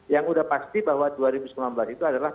yang sudah pasti bahwa dua ribu sembilan belas itu adalah